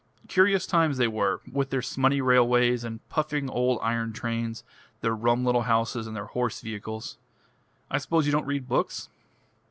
Curious times they were, with their smutty railways and puffing old iron trains, their rum little houses and their horse vehicles. I suppose you don't read books?"